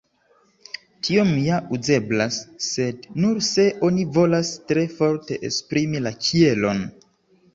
Tiom ja uzeblas, sed nur se oni volas tre forte esprimi la kielon.